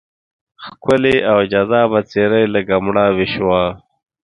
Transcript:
ښکلې او جذابه څېره یې لږه مړاوې شوه.